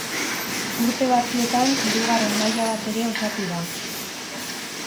Urte batzuetan hirugarren maila bat ere osatu da.